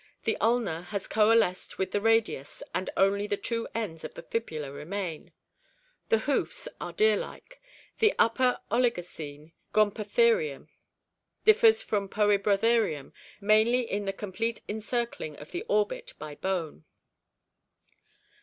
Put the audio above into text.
The ulna has coalesced with the radius and only the two ends of the fibula remain. The hoofs are deer like. The Upper Oligocene Gomphotherium differs from PoSbr other ium mainly in the complete encircling of the orbit by bone.